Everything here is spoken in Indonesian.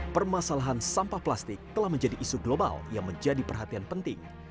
permasalahan sampah plastik telah menjadi isu global yang menjadi perhatian penting